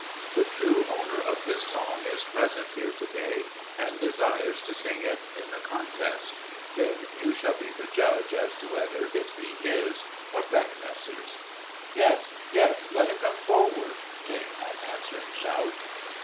The true owner of this song is present here to day and desires to sing it in the contest. Then you shall be the judge as to whether it be his or Beckmesser's." "Yes, yes! let him come forward!" came an answering shout.